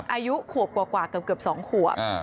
อายุขวบกว่ากว่ากับเกือบสองขวบ